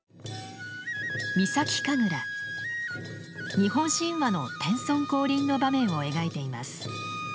日本神話の天孫降臨の場面を描いています。